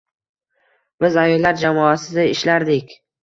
Biz ayollar jamoasida ishlardik